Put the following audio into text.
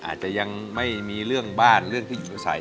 อาจจะยังไม่มีเรื่องบ้านเรื่องที่สวยใส